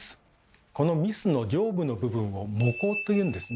この御簾の上部の部分を「帽額」と言うんですね。